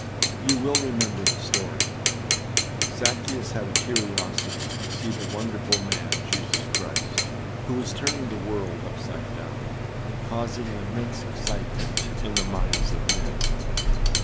You will remember the story. Zaccheus had a curiosity to see the wonderful man Jesus Christ, who was turning the world upside down, and causing an immense excitement in the minds of men.